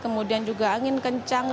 kemudian juga angin kencang